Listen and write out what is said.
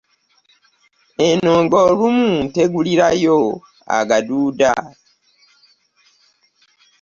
Eno nga olumu ntegulirayo agaduuda.